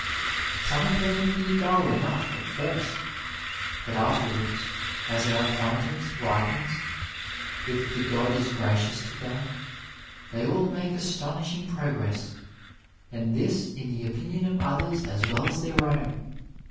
Some of them appear dull enough at first, but afterwards, as our acquaintance ripens, if the god is gracious to them, they all make astonishing progress ; and this in the opinion of others as well as their own.